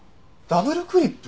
ダブルクリップ？